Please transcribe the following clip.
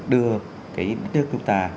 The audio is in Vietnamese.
đưa cái đất nước chúng ta